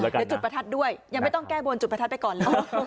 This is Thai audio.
เดี๋ยวจุดประทัดด้วยยังไม่ต้องแก้บนจุดประทัดไปก่อนเลย